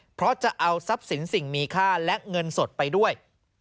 เพราะจะเอาทรัพย์สินสิ่งมีค่าและเงินสดไปด้วย